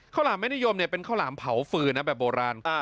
หลามไม่นิยมเป็นข้าวหลามเผาฟืนนะแบบโบราณ